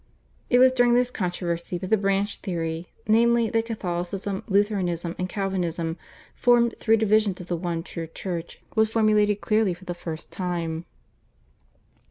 It was during this controversy that the Branch Theory, namely, that Catholicism, Lutheranism, and Calvinism formed three divisions of the one true Church, was formulated clearly for the first time.